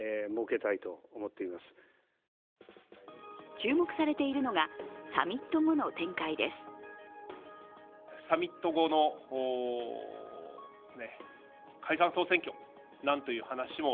注目されているのがサミット後の展開です。